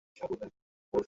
এখন কাজ করছি, বন্ধু।